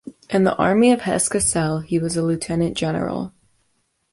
In the army of Hesse-Cassel, he was a lieutenant general.